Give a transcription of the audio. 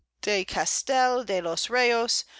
de Castel de los Reyos.